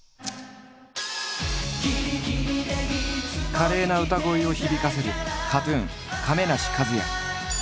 華麗な歌声を響かせるＫＡＴ−ＴＵＮ亀梨和也。